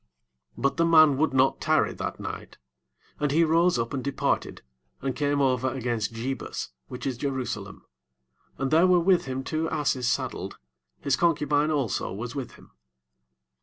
10 ¶ But the man would not tarry that night, but he rose up and departed, and came over against Jebus, which is Jerusalem; and there were with him two asses saddled, his concubine also was with him.